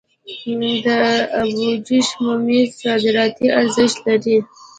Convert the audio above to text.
د ابجوش ممیز صادراتي ارزښت لري.